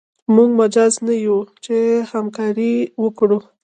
موږ مجاز نه یو چې همکاري وکړو.